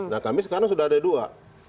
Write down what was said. nah kami sekarang sudah ada dua